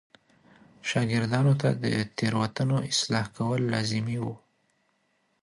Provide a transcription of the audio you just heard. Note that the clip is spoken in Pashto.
شاګردانو ته د تېروتنو اصلاح کول لازمي و.